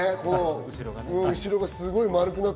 後ろが。